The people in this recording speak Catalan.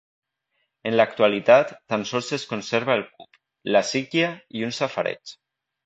En l'actualitat tan sols es conserva el cup, la síquia i un safareig.